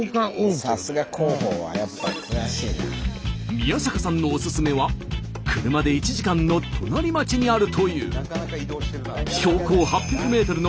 宮坂さんのオススメは車で１時間の隣町にあるという。